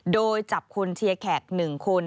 โดยจับคนเชียร์แขก๑คน